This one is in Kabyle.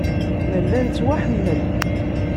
Nella nettwaḥemmel.